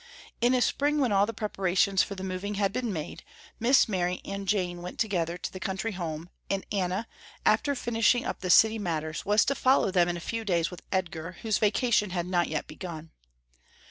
In a spring when all the preparations for the moving had been made, Miss Mary and Jane went together to the country home, and Anna, after finishing up the city matters was to follow them in a few days with Edgar, whose vacation had not yet begun.